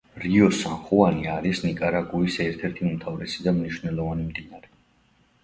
რიო სან ხუანი არის ნიკარაგუის ერთ-ერთი უმთავრესი და მნიშვნელოვანი მდინარე.